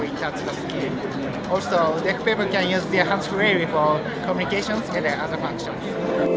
juga para penyelidik bisa menggunakan kabel tangan untuk komunikasi dan fungsi lainnya